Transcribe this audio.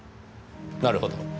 なるほど。